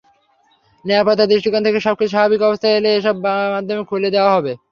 নিরাপত্তার দৃষ্টিকোণ থেকে সবকিছু স্বাভাবিক অবস্থায় এলে এসব মাধ্যম খুলে দেওয়া হবে।